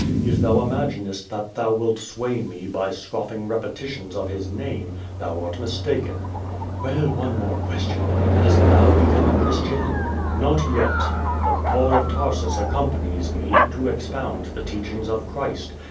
If thou imaginest that thou wilt sway mc by scofling repetitions of his name, then art mistaken." "Well, one more question. Hast tliou ])ecome a Christian?" "Not yet. But Paul of Tarsus accompanies me, to expound the teachings of Christ.